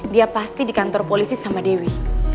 dia pasti di kantor polisi sama dewi